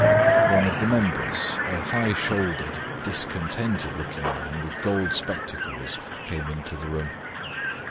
One of the members, a high shouldered, discontented looking man, with gold spectacles, came into the room.